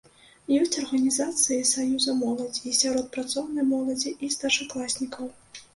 Ёсць арганізацыі саюза моладзі і сярод працоўнай моладзі і старшакласнікаў.